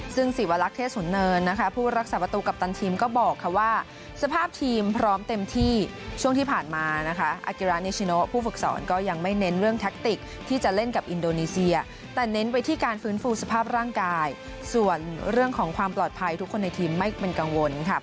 ซึ่งศิวลักษุนเนินนะคะผู้รักษาประตูกัปตันทีมก็บอกค่ะว่าสภาพทีมพร้อมเต็มที่ช่วงที่ผ่านมานะคะอากิรานิชิโนผู้ฝึกสอนก็ยังไม่เน้นเรื่องแท็กติกที่จะเล่นกับอินโดนีเซียแต่เน้นไปที่การฟื้นฟูสภาพร่างกายส่วนเรื่องของความปลอดภัยทุกคนในทีมไม่เป็นกังวลค่ะ